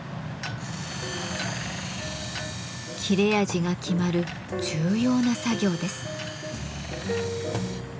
切れ味が決まる重要な作業です。